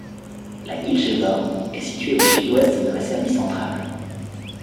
La Giljeva est située au sud-ouest de la Serbie centrale.